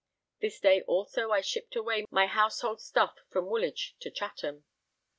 This day also I shipped away my household stuff from Woolwich to Chatham.